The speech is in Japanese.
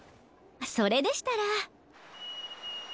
それでしたら。